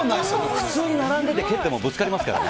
普通に並んでて、蹴ってもぶつかりますからね。